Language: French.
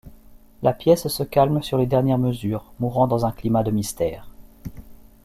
La pièce se calme sur les dernières mesures, mourant dans un climat de mystère.